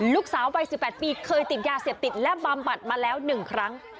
ลูกสาววัยสิบแปดปีเคยติดยาเสียบติดและบำบัดมาแล้วหนึ่งครั้ง